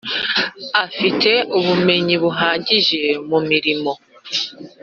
afite ubumenyi buhagije mu mirimo